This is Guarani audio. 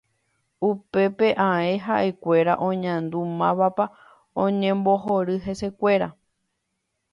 Upépe ae ha'ekuéra oñandu mávapa oñembohory hesekuéra.